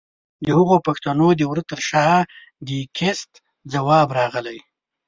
د هغو پښتنو د وره تر شا چې د کېست ځواب راغلی؛